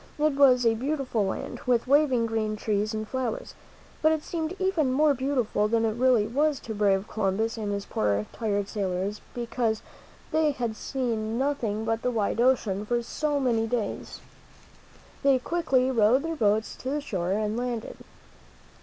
It was a beautiful land, with waving green trees and flowers. But it seemed even more beautiful than it really was to brave Columbus and his poor, tired sailors, because they had seen 21 THE MEN WHO FOUND AMERICA ^\J __^•'>^ nothing but the wide ocean for so many days. They quickly rowed their boats to the shore and landed.